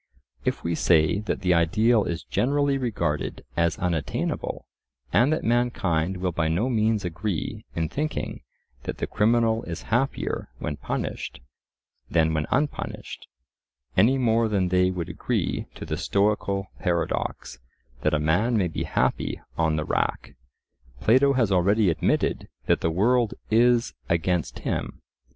If we say that the ideal is generally regarded as unattainable, and that mankind will by no means agree in thinking that the criminal is happier when punished than when unpunished, any more than they would agree to the stoical paradox that a man may be happy on the rack, Plato has already admitted that the world is against him.